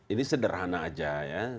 ini sederhana aja ya